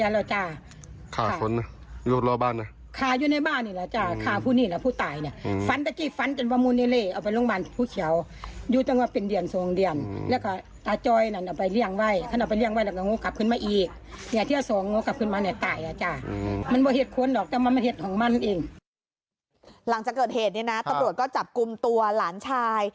หลังจากเกิดเหตุเนี่ยนะตำรวจก็จับกลุ่มตัวหลานชาย